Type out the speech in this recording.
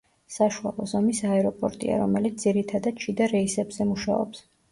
საშუალო ზომის აეროპორტია, რომელიც ძირითადად შიდა რეისებზე მუშაობს.